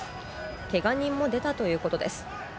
けが人も出たということです。